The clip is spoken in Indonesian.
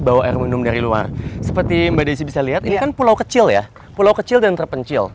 bawa air minum dari luar seperti mbak desi bisa lihat ini kan pulau kecil ya pulau kecil dan terpencil